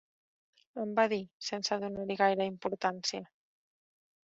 Em va dir, sense donar-hi gaire importància